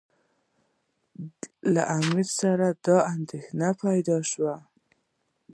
له امیر سره دا اندېښنه پیدا شوه.